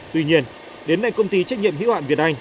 tuy nhiên đến nay công ty trách nhiệm hữu hạn việt anh